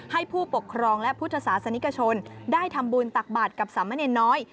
ผู้ปกครองและพุทธศาสนิกชนได้ทำบุญตักบาทกับสามเณรน้อย